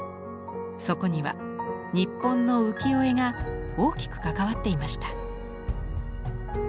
そこには日本の浮世絵が大きく関わっていました。